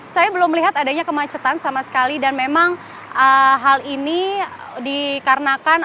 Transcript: saya belum melihat adanya kemacetan sama sekali dan memang hal ini dikarenakan